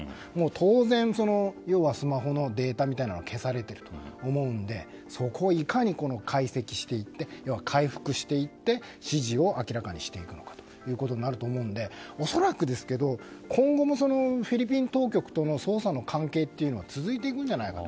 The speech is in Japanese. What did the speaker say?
当然、スマホのデータみたいなものは消されていると思うのでそこをいかに解析していって回復していって指示を明らかにしていくのかになると思うので恐らく今後もフィリピン当局との捜査の関係は続いていくんじゃないかと。